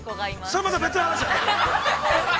◆それはまた別の話だね。